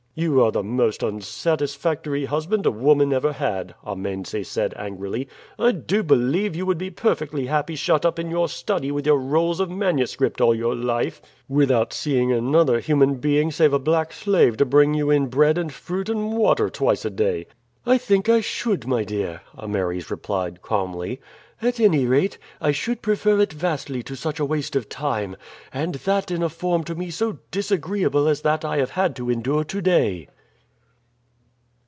"You are the most unsatisfactory husband a woman ever had," Amense said angrily. "I do believe you would be perfectly happy shut up in your study with your rolls of manuscript all your life, without seeing another human being save a black slave to bring you in bread and fruit and water twice a day." "I think I should, my dear," Ameres replied calmly. "At any rate, I should prefer it vastly to such a waste of time, and that in a form to me so disagreeable as that I have had to endure to day."